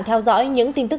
theo dõi những tin tức